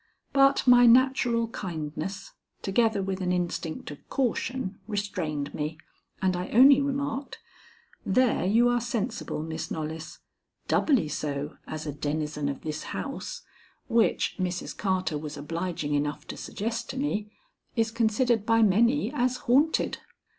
But my natural kindness, together with an instinct of caution, restrained me, and I only remarked: "There you are sensible, Miss Knollys doubly so as a denizen of this house, which, Mrs. Carter was obliging enough to suggest to me, is considered by many as haunted."